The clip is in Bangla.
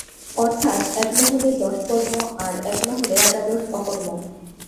অর্থাৎ এক মহলে দশকর্ম, আর-এক মহলে একাদশ অকর্ম।